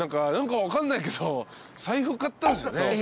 何か分かんないけど財布買ったんすよね。